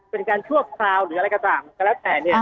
เป็นการชวบคลาวหรืออะไรกระต่างก็แล้วแต่